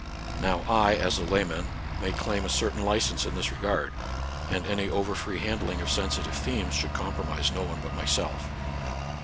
Now I, as a lay man, may claim a certain license in this regard ; and any over free handling of sensitive themes should compromise no one but myself.